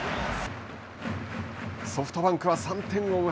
ソフトバンクは３点を追う